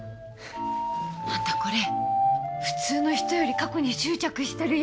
アンタこれ普通の人より過去に執着してるよ！